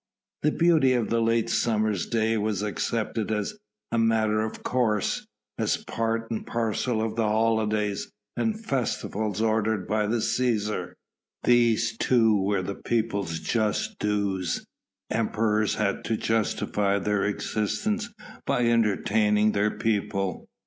The beauty of the late summer's day was accepted as a matter of course: as part and parcel of the holidays and festivals ordered by the Cæsar. These too were the people's just dues: emperors had to justify their existence by entertaining their people.